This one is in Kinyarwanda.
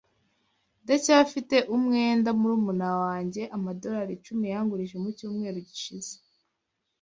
Ndacyafite umwenda murumuna wanjye amadorari icumi yangurije mu cyumweru gishize.